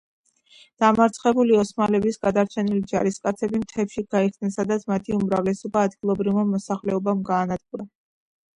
დამარცხებული ოსმალების გადარჩენილი ჯარისკაცები მთებში გაიქცნენ, სადაც მათი უმრავლესობა ადგილობრივმა მოსახლეობამ გაანადგურა.